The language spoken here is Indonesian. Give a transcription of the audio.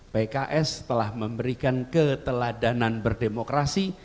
pks telah memberikan keteladanan berdemokrasi